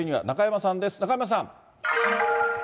中山さん。